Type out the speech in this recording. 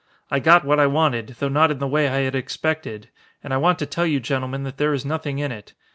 I got what I wanted, though not in the way I had expected. And I want to tell you gentlemen that there is nothing in it.